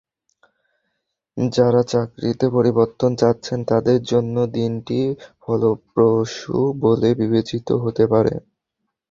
যাঁরা চাকরিতে পরিবর্তন চাচ্ছেন তাঁদের জন্য দিনটি ফলপ্রসূ বলে বিবেচিত হতে পারে।